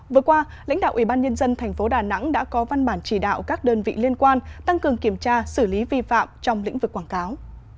vừa qua lãnh đạo ủy ban nhân dân thành phố đà nẵng đã có văn bản chỉ đạo các đơn vị liên quan tăng cường kiểm tra xử lý vi phạm trong lĩnh vực quảng cáo